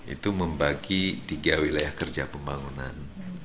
itu membagi tiga wilayah kerja pembangunan